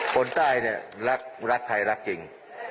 คนใต้รักถ่ายรักจริง